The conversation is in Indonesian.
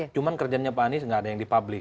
cuma kerjanya pak anies nggak ada yang di publik